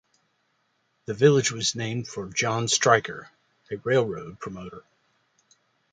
The village was named for John Stryker, a railroad promoter.